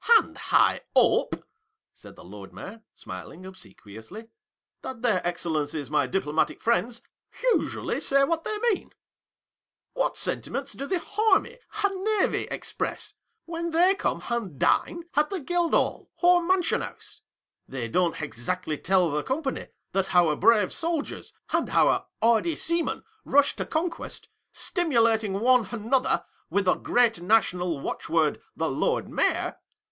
And I hope," said the Lord Mayor, smiling obsequiously, "that their Excellencies my diplomatic friends, usually say what they mean ?" What sentiments do the Army and Navy express when they come and dine at the Guildhall or Mansion House1? They don't exactly tell the company that our brave soldiers and our hardy seamen rush to con quest, stimulating one another with the great national watchword, ' The Lord Mayor